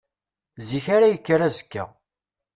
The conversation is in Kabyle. Zik ara yekker azekka.